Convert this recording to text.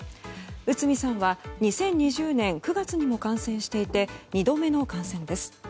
内海さんは２０２０年９月にも感染していて２度目の感染です。